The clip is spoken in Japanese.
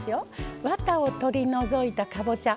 ワタを取り除いたかぼちゃ。